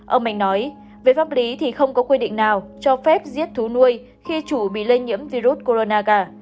ông mạnh nói về pháp lý thì không có quy định nào cho phép giết thú nuôi khi chủ bị lây nhiễm virus corona cả